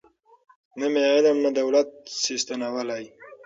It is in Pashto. نه مي علم نه دولت سي ستنولای